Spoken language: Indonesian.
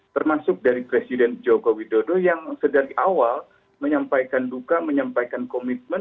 termasuk dari presiden joko widodo yang sedari awal menyampaikan duka menyampaikan komitmen